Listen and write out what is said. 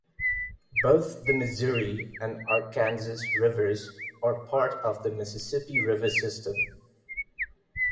Both the Missouri and Arkansas rivers are part of the Mississippi River system.